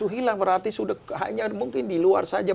hilang berarti sudah hanya mungkin di luar saja